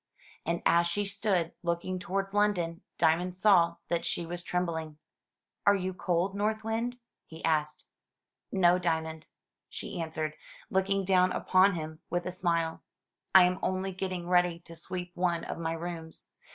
And as she stood looking towards London, Diamond saw that she was trembling. "Are you cold. North Wind?" he asked. "No, Diamond," she answered, looking down upon him with a smile; "I am only getting ready to sweep one of my rooms.